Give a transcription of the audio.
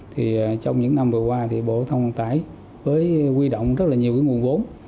trong những năm vừa qua bộ thông tải với quy động rất nhiều nguồn vốn